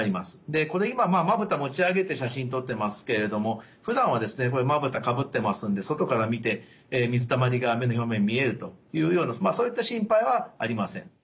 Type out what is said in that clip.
でこれ今まぶた持ち上げて写真撮ってますけれどもふだんはですねまぶたかぶってますんで外から見て水たまりが目の表面見えるというようなそういった心配はありません。